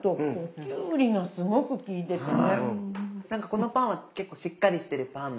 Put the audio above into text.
このパンは結構しっかりしているパン。